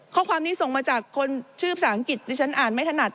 ข้อความนี้ส่งมาจากคนชื่อภาษาอังกฤษดิฉันอ่านไม่ถนัด